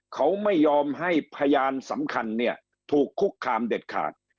เขาไม่ยอมให้พยานสำคัญเนี่ยถูกคุกคามเด็ดขาด